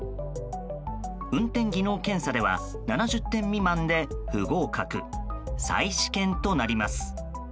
運転技能検査では７０点未満で不合格再試験となります。